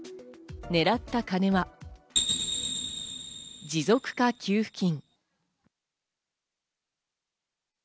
狙った金は、持続化給付金。